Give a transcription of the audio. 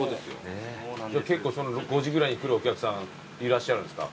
じゃあ結構５時ぐらいに来るお客さんいらっしゃるんですか？